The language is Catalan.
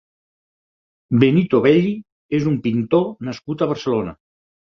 Benito Belli és un pintor nascut a Barcelona.